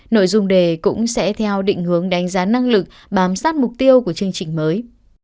nội dung đề cũng sẽ theo định hướng đánh giá năng lực bám sát mục tiêu của chương trình mới